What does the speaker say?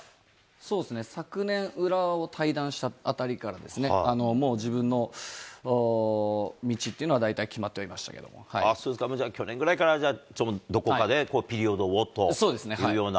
そうですね、昨年、浦和を退団したあたりからですね、もう自分の道というのは、大体決ああ、じゃあ、去年ぐらいから、じゃあ、ちょっとどこかでピリオドをというような。